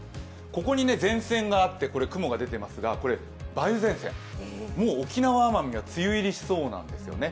ここに前線があって、雲が出ていますが、梅雨前線、もう沖縄・奄美が梅雨入りしそうなんですよね。